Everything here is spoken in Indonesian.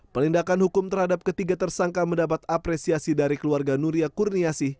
penindakan hukum terhadap ketiga tersangka mendapat apresiasi dari keluarga nuria kurniasih